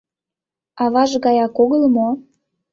— Аваж гаяк огыл мо?